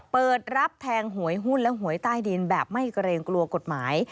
เปิดรับแทงหวยหุ้นและหวยใต้ดินแบบไม่เกรงกลัวกฎหมาย